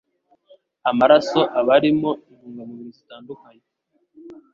Amaraso aba arimo intungamubiri zitandukanye,